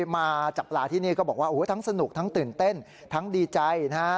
มาจับปลาที่นี่ก็บอกว่าโอ้โหทั้งสนุกทั้งตื่นเต้นทั้งดีใจนะฮะ